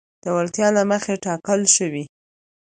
وړتیا له مخې ټاکل شوي.